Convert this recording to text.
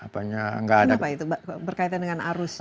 kenapa itu berkaitan dengan arus